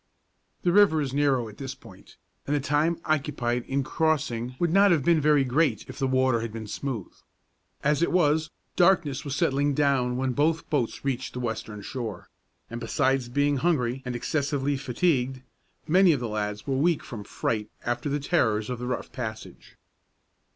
The river is narrow at this point, and the time occupied in crossing would not have been very great if the water had been smooth. As it was, darkness was settling down when both boats reached the western shore; and besides being hungry and excessively fatigued, many of the lads were weak from fright after the terrors of the rough passage.